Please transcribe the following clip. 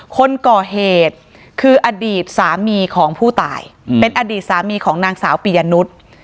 คนก่อเหตุคืออดีตสามีของผู้ตายเป็นอดีตสามีของนางสาวปียนุษย์